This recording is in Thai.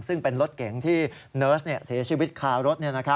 ซึ่งเป็นรถเก๋งที่เนิร์สเสียชีวิตคารถ